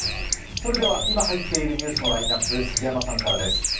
それでは、今入っているニュースのラインナップ、杉山さんからです。